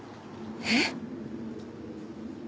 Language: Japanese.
えっ！？